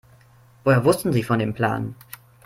Woher wussten Sie von dem Plan?